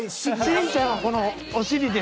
しんちゃんはこのお尻で。